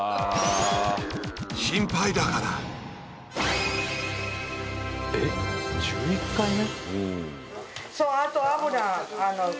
心配だからえっ１１回目？